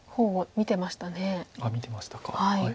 見てましたか。